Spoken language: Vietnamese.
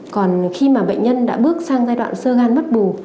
còn khi mà bệnh nhân đã bước sang giai đoạn sơ gan mất bù